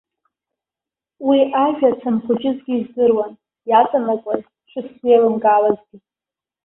Уи ажәа санхәыҷызгьы издыруан, иаҵанакуаз шысзеилымкаауазгьы.